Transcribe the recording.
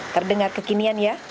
terdengar kekinian ya